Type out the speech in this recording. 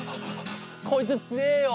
こいつつえよ。